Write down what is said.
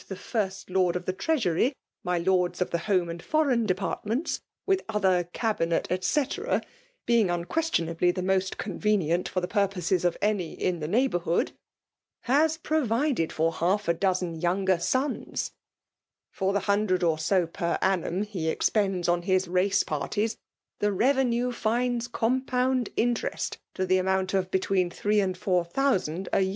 tlieFnsfttJuovli o£ the Treafiorj; ny iMk o£ the Home wdk Foreign Departmenta, mth other eabinet: el*' c0taa (bang nnqueationablythe xnort ooiiVB^ ninrt fbr the purpose of any in the iieiglibouzv hoiid)^ has. provided for hslf*« do2sen yoimger sons. For the hundred or so per annum he* expends on hi» race parties, the revenue finds compound interest to the amount of betiveen three and four thousand a.